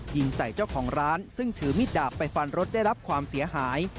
ยิงใส่เจ้าของร้านซึ่งถือมิดดาบไปฟันรถได้รับความเสียหาย